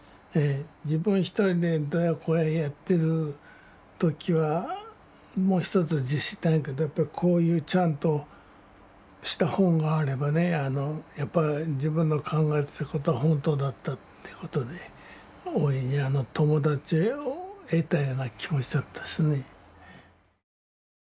自分一人でどうやこうややってる時はもうひとつ自信ないけどやっぱりこういうちゃんとした本があればねやっぱり自分の考えてたことは本当だったってことで大いに友達を得たような気持ちだったですね。